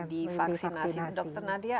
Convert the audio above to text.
divaksinasi dokter nadia